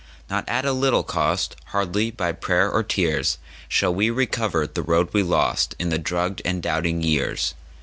Not at a little cost, Hardly by prayer or tears, Shall we recover the road we lostIn the drugged and doubting years.